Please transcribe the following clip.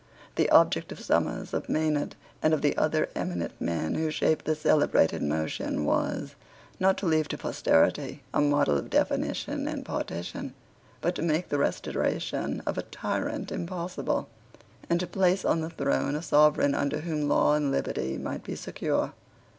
The object of Somers, of Maynard, and of the other eminent men who shaped this celebrated motion was, not to leave to posterity a model of definition and partition, but to make the restoration of a tyrant impossible, and to place on the throne a sovereign under whom law and liberty might be secure.